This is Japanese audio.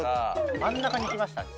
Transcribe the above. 真ん中に行きましたね。